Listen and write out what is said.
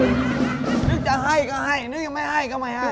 นึกจะให้ก็ให้นึกยังไม่ให้ก็ไม่ให้